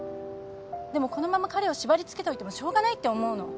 でもこのまま彼を縛り付けといてもしょうがないって思うの。